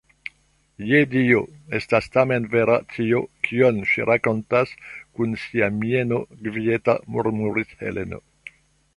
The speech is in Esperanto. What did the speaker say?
Je Dio! Estas tamen vera tio, kion ŝi rakontas kun sia mieno kvieta, murmuris Heleno.